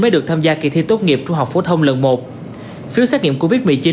mới được tham gia kỳ thi tốt nghiệp trung học phổ thông lần một phiếu xét nghiệm covid một mươi chín